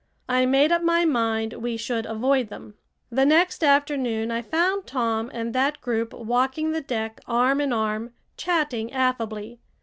I made up my mind we should avoid them. The next afternoon I found Tom and that group walking the deck arm in arm, chatting affably.